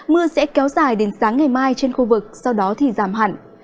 mưa sẽ kéo dài đến sáng ngày mai trên khu vực sau đó thì giảm hẳn